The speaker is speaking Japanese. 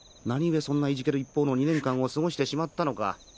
何故そんないじける一方の２年間を過ごしてしまったのか。